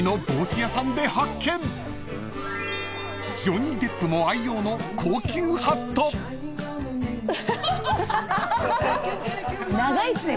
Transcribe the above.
［ジョニー・デップも愛用の高級ハット］ハハハ。